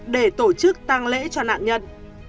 để tổ chức tăng lễ cho nạn nhân